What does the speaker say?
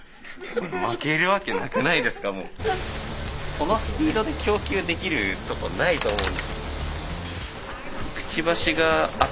このスピードで供給できるとこないと思う。